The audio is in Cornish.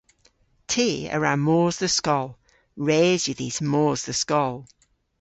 Ty a wra mos dhe skol. Res yw dhis mos dhe skol.